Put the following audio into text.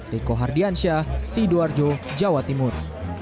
riko hardiansyah sidoarjo jawa timur